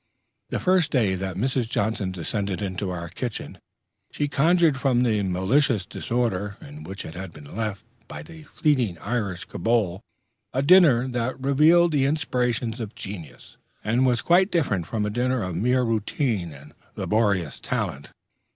The first day that Mrs. Johnson descended into our kitchen, she conjured from the malicious disorder in which it had been left by the flitting Irish kobold a dinner that revealed the inspirations of genius, and was quite different from a dinner of mere routine and laborious talent.